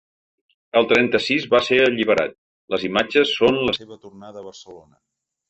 El trenta-sis va ser alliberat, les imatges són la seva tornada a Barcelona.